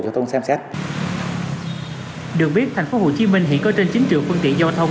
giao thông xem xét được biết thành phố hồ chí minh hiện có trên chín triệu phương tiện giao thông